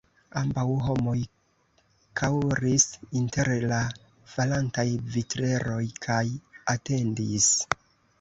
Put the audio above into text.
Ambaŭ homoj kaŭris inter la falantaj vitreroj kaj atendis.